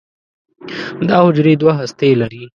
دا حجرې دوه هستې لري.